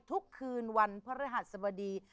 ทุกคืนวันพระฤหัสสบดี